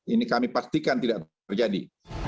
ini kami pastikan tidak terjadi